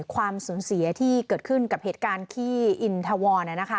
ความสูญเสียที่เกิดขึ้นกับเหตุการณ์ที่อินทวร